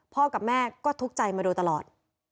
กับแม่ก็ทุกข์ใจมาโดยตลอด